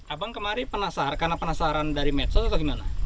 abang kemarin penasaran karena penasaran dari medsos atau gimana